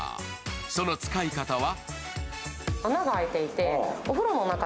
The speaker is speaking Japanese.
その使い方は？